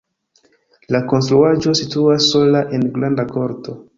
La konstruaĵo situas sola en granda korto.